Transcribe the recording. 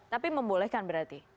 tapi membolehkan berarti